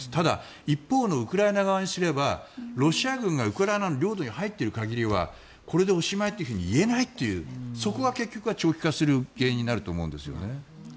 ただ、一方のウクライナ側にすればロシア軍がウクライナの領土に入っている限りはこれでおしまいと言えないというそこが結局は長期化する原因になると思うんです。